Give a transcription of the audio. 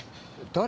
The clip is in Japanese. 誰？